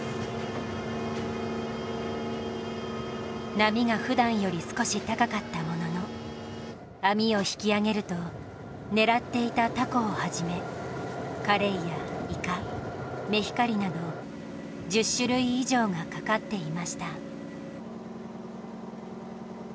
波が普段より少し高かったものの網を引き揚げると狙っていたタコをはじめカレイやイカメヒカリなど１０種類以上がかかっていました。